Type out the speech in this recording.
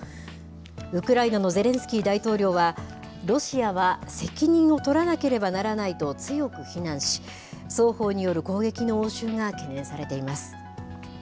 ウクライナのゼレンスキー大統領は、ロシアは責任を取らなければならないと強く非難し、双方による攻撃の応酬が懸念されています。